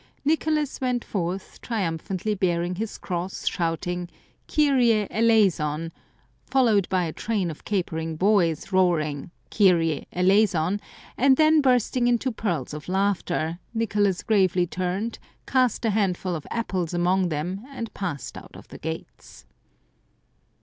Nicolas went forth tri umphantly bearing his cross, shouting, " Kyrie eleison !" foUowed by a train of capering boys roaring, " Kyrie eleison !" and then bursting into peals of laughter, Nicolas gravely turned, cast a handful of apples among them, and passed out of the gates.